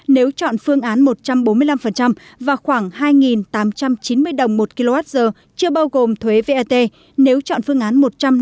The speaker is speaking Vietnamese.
nếu chọn phương án một trăm bốn mươi năm và khoảng hai tám trăm chín mươi đồng một kwh chưa bao gồm thuế vat nếu chọn phương án một trăm năm mươi